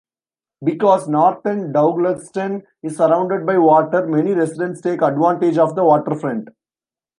Because northern Douglaston is surrounded by water, many residents take advantage of the waterfront.